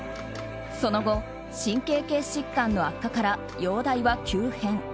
その後、神経系疾患の悪化から容体は急変。